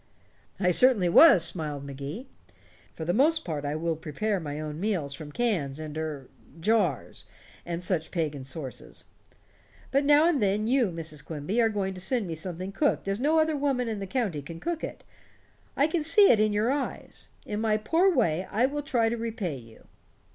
"I certainly was," smiled Mr. Magee. "For the most part I will prepare my own meals from cans and er jars and such pagan sources. But now and then you, Mrs. Quimby, are going to send me something cooked as no other woman in the county can cook it. I can see it in your eyes. In my poor way I shall try to repay you."